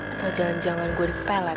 atau jangan jangan gua dikepelet